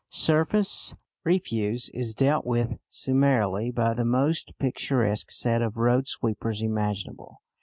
Surface refuse is dealt with summarily by the most picturesque set of road sweepers imaginable.